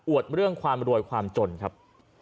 เรื่องความรวยความจนครับ